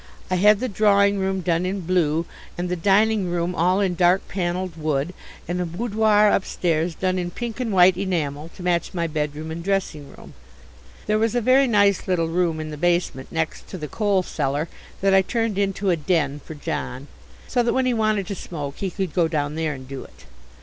I had the drawing room done in blue, and the dining room all in dark panelled wood, and a boudoir upstairs done in pink and white enamel to match my bedroom and dressing room. There was a very nice little room in the basement next to the coal cellar that I turned into a "den" for John, so that when he wanted to smoke he could go down there and do it.